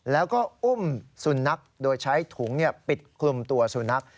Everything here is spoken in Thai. แล้วก็อุ้มสุนัขโดยใช้ถุงปิดคลุมตัวสุนัข